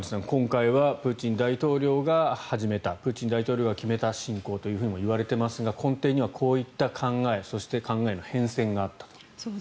今回はプーチン大統領が始めたプーチン大統領が決めた侵攻ともいわれていますが根底にはこういった考えそして考えの変遷があったと。